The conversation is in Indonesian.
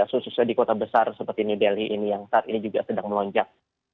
khususnya di kota besar seperti new delhi ini yang saat ini juga sedang melonjak